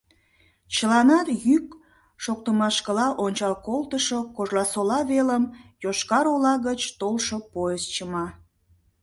Чыланат йӱк шоктымашкыла ончал колтышо Кожласола велым Йошкар-Ола гыч толшо поезд чыма.